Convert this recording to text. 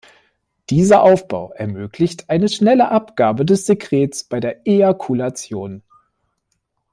Dieser Aufbau ermöglicht eine schnelle Abgabe des Sekrets bei der Ejakulation.